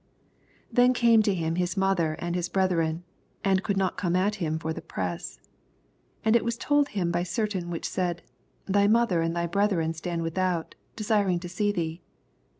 19 Then came to him his mother and his brethren, and could Lot come at him for the press. 20 And it was told him b^ certain which said, Thj mother and thy brethren stand without, desiring to see thee.